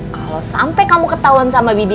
kalo sampe kamu ketauan sama bibi